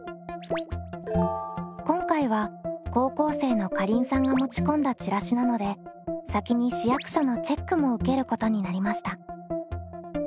今回は高校生のかりんさんが持ち込んだチラシなので先に市役所のチェックも受けることになりました。